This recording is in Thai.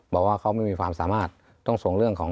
บอกว่าเขาไม่มีความสามารถต้องส่งเรื่องของ